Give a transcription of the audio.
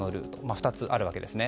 ２つあるわけですね。